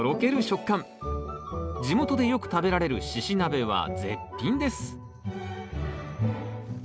地元でよく食べられる「しし鍋」は絶品ですえ？